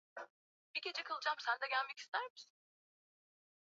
kituo cha utafiti wa afya ya uzazi kilitoa takwimu za ugonjwa